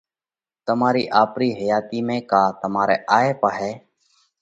تمارِي آپرِي حياتِي ۾ ڪا تمارئہ آھئہ پاھئہ